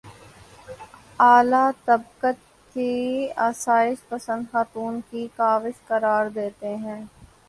اعلیٰ طبقے کی آسائش پسند خاتون کی کاوش قرار دیتے ہیں